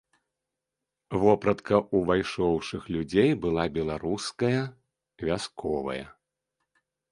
Вопратка ўвайшоўшых людзей была беларуская вясковая.